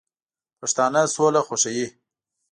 پښتانه سوله خوښوي